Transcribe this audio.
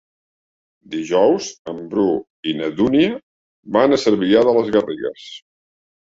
Dijous en Bru i na Dúnia van a Cervià de les Garrigues.